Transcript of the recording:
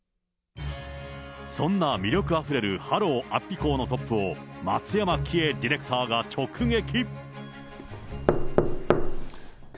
そんな魅力あふれるハロウ安比校のトップを、松山紀惠ディレクターが直撃。